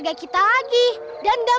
papi meraper mam